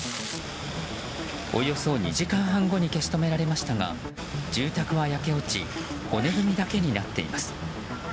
およそ２時間半後に消し止められましたが住宅は焼け落ち骨組みだけになっています。